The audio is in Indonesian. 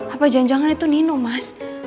apa janjangan itu nino mas